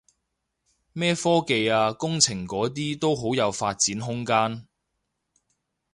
咩科技啊工程嗰啲都好有發展空間